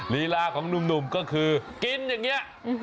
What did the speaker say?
ลีลาของหนุ่มก็คือกินอย่างนี้